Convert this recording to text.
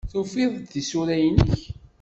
Tufiḍ-d tisura-nnek?